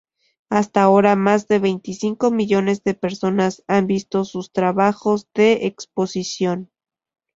Hasta ahora más de veinticinco millones de personas han visto sus trabajos de exposición.